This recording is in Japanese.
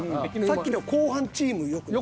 さっきの後半チームよくない？